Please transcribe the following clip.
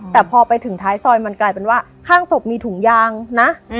แต่พอไปถึงท้ายซอยมันกลายเป็นว่าข้างศพมีถุงยางนะ